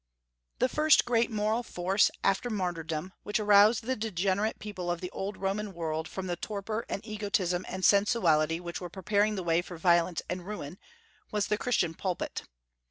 The first great moral force, after martyrdom, which aroused the degenerate people of the old Roman world from the torpor and egotism and sensuality which were preparing the way for violence and ruin, was the Christian pulpit.